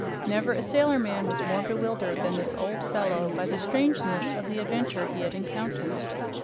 Never a sailor man was more bewildered than this old fellow by the strangeness of the adventure he had encountered.